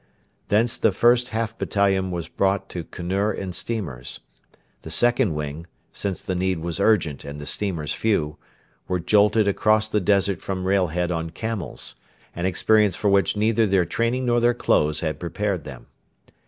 Thence the first half battalion were brought to Kunur in steamers. The second wing since the need was urgent and the steamers few were jolted across the desert from Railhead on camels, an experience for which neither their training nor their clothes had prepared them.